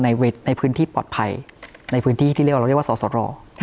ในเวชในพื้นที่ปลอดภัยในพื้นที่ที่เรียกว่าสอสรอ